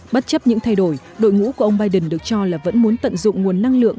bất chấp những thay đổi đội ngũ của ông biden được cho là vẫn muốn tận dụng nguồn năng lượng